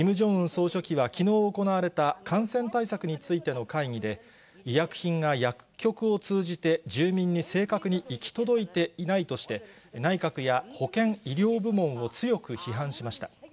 総書記はきのう行われた感染対策についての会議で、医薬品が薬局を通じて住民に正確に行き届いていないとして、内閣や保健医療部門を強く批判しました。